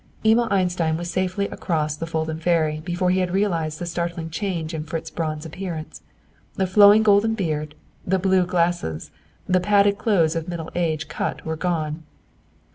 Emil Einstein was safely across the Fulton Ferry before he had realized the startling change in Fritz Braun's appearance. The flowing golden beard, the blue glasses, the padded clothes of middle age cut were gone.